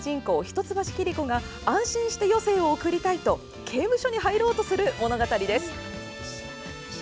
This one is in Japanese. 一橋桐子が安心して余生を送りたいと刑務所に入ろうとする物語です。